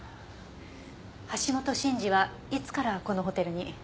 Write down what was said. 橋本慎二はいつからこのホテルに？